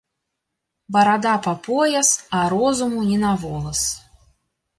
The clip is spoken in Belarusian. Барада па пояс, а розуму ні на волас